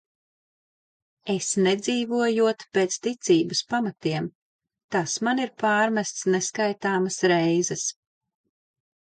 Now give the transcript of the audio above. Es nedzīvojot pēc ticības pamatiem, tas man ir pārmests neskaitāmas reizes.